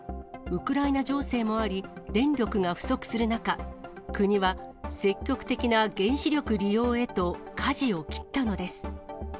ウクライナ情勢もあり、電力が不足する中、国は積極的な原子力利用へと、かじを切ったのです。